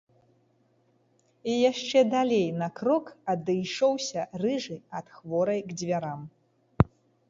І яшчэ далей на крок адышоўся рыжы ад хворай к дзвярам.